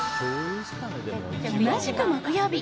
同じく木曜日。